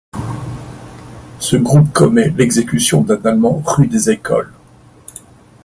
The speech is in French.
Ce groupe commet l'exécution d'un Allemand rue des Écoles.